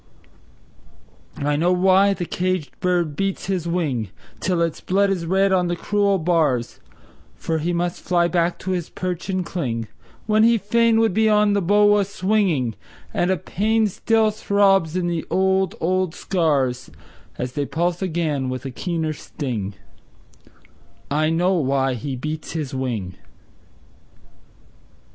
I know why the caged bird beats his wing Till its blood is red on the cruel bars; For he must fly back to his perch and cling When he fain would be on the bough a swing; And a pain still throbs in the old, old scars And they pulse again with a keener sting I know why he beats his wing!